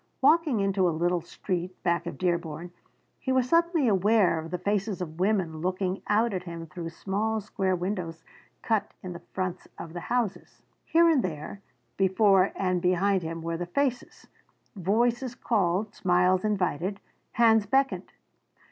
Walking into a little street back of Dearborn, he was suddenly aware of the faces of women looking out at him through small square windows cut in the fronts of the houses. Here and there, before and behind him, were the faces; voices called, smiles invited, hands beckoned.